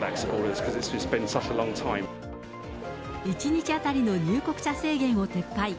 １日当たりの入国者制限を撤廃。